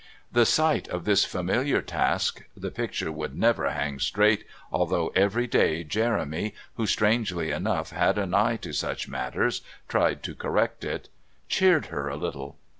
The sight of this familiar task the picture would never hang straight, although every day Jeremy, who, strangely enough, had an eye to such matters, tried to correct it cheered her a little.